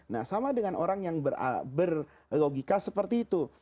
nah sama dengan orang yang berlogika seperti itu